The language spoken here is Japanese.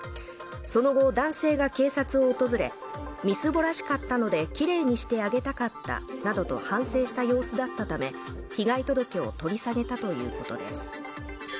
その後男性が警察を訪れみすぼらしかったのできれいにしてあげたかったなどと反省した様子だったため被害届を取り下げたということです